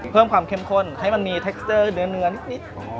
เพิ่มความเข้มข้นให้มันมีเทคเซอร์เนื้อนิด